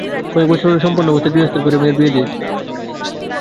কয়েক বৎসর হল সম্পন্ন অবস্থায় গৃহস্থের ঘরে মেয়ের বিয়ে দিয়েছে।